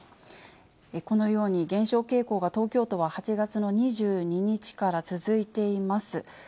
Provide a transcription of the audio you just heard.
このように減少傾向が東京都は８月の２２日から続いています。